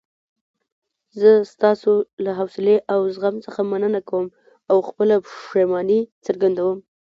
زه ستاسو له حوصلې او زغم څخه مننه کوم او خپله پښیماني څرګندوم.